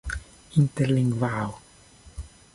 interlingvao